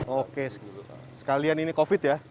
oke sekalian ini covid ya